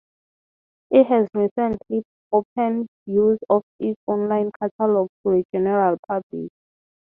It has recently opened use of its online catalogue to the general public.